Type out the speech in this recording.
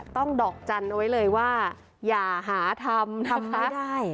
ต้องดอกจันทร์เอาไว้เลยว่าอย่าหาธรรมนะคะทำไม่ได้